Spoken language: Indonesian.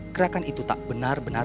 gerakan itu tak benar benar